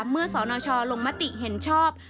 เมื่อสนชลงมติเห็นชอบ